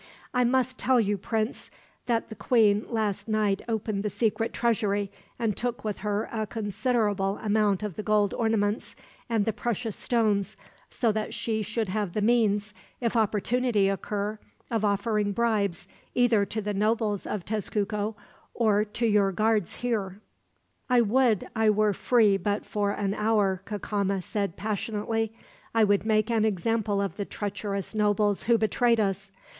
"I must tell you, Prince, that the queen last night opened the secret treasury, and took with her a considerable amount of the gold ornaments and the precious stones; so that she should have the means, if opportunity occur, of offering bribes either to the nobles of Tezcuco, or to your guards here." "I would I were free but for an hour," Cacama said passionately. "I would make an example of the treacherous nobles who betrayed us.